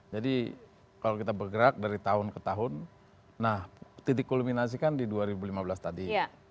jadi kalau kita bergerak dari tahun ke tahun nah titik kulminasi kan di dua ribu lima belas tadi